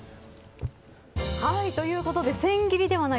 ということで千切りではない。